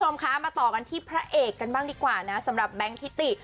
คุณผู้ชมคะมาต่อกันที่พระเอกกันบ้างดีกว่านะสำหรับแบงค์ทิติ